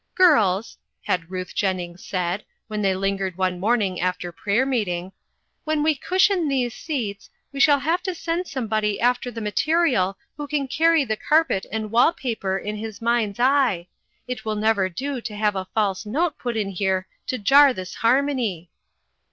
" Girls," had Ruth Jennings said, when they lingered one evening after prayer meeting, " when we cushion these seats, we THE SUMMERS STORY. 421 shall have to send somebody after the ma terial who can carry the carpet and wall paper in his mind's eye. It will never do to have a false note put in here to jar this harmony."